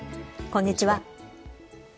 こんにちは。